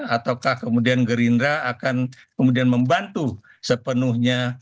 ataukah kemudian gerindra akan kemudian membantu sepenuhnya